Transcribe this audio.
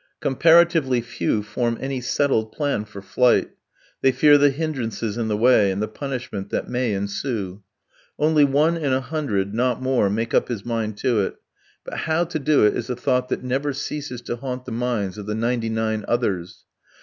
Comparatively few form any settled plan for flight, they fear the hindrances in the way and the punishment that may ensue; only one in a hundred, not more, make up his mind to it, but how to do it is a thought that never ceases to haunt the minds of the ninety nine others.